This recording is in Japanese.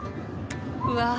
うわ